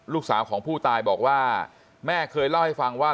ลูกสาวของผู้ตายบอกว่าแม่เคยเล่าให้ฟังว่า